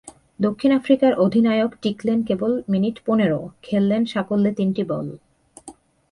দক্ষিণ আফ্রিকার অধিনায়ক টিকলেন কেবল মিনিট পনেরো, খেললেন সাকল্যে তিনটি বল।